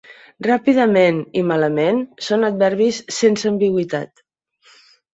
"Ràpidament" i "malament" són adverbis sense ambigüitat.